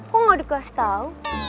kok gak dikasih tau